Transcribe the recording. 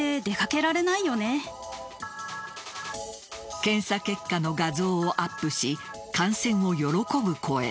検査結果の画像をアップし感染を喜ぶ声。